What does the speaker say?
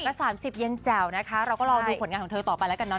ก็๓๐ยังแจ๋วนะคะเราก็รอดูผลงานของเธอต่อไปแล้วกันเนอ